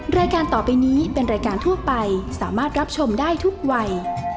รายการต่อไปนี้เป็นรายการทั่วไปสามารถรับชมได้ทุกวัย